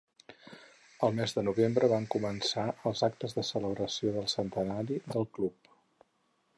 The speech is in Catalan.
El mes de novembre van començar els actes de celebració del Centenari del Club.